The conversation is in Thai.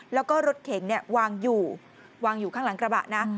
แล้วก็รถเข็นวางอยู่วางอยู่ข้างหลังกระบะนะ